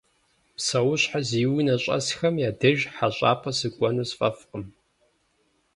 Псэущхьэ зи унэ щӏэсхэм я деж хьэщӏапӏэ сыкӏуэну сфӏэфӏкъым.